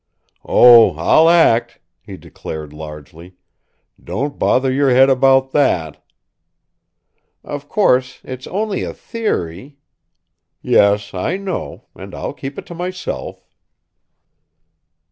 "Oh, I'll act!" he declared, largely. "Don't bother your head about that!" "Of course, it's only a theory " "Yes; I know! And I'll keep it to myself."